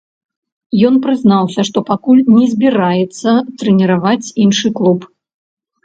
Ён прызнаўся, што пакуль не збіраецца трэніраваць іншы клуб.